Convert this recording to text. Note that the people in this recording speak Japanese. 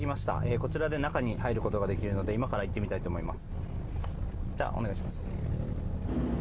こちらで中に入ることができるので今から行ってみたいと思います。